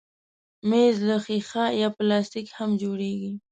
مېز له ښيښه یا پلاستیک هم جوړېږي.